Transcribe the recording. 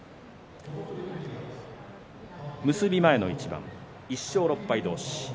結び前の一番、１勝６敗同士